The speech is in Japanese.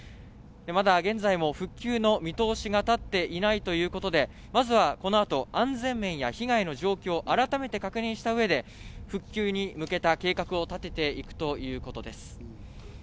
まだ現在も復旧の見通しがたっていないということで、まずはこの後、安全面や被害の状況を改めて確認した上で復旧に向けた計画を立てていくということです。